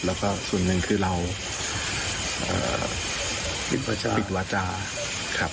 แล้วก็ส่วนหนึ่งคือเราปิดวาจาครับ